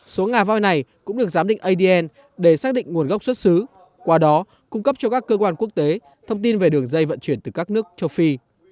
số ngà voi này cũng được giám định adn để xác định nguồn gốc xuất xứ qua đó cung cấp cho các cơ quan quốc tế thông tin về đường dây vận chuyển từ các nước châu phi